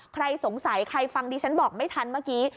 ใครสงสัยใครฟังดิฉันบอกไม่ทันเมื่อกี้